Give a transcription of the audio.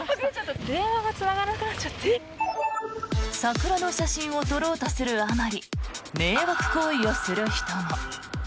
桜の写真を撮ろうとするあまり迷惑行為をする人も。